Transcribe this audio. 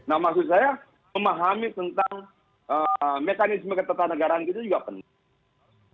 nah maksud saya memahami tentang mekanisme ketetahan negara itu juga penting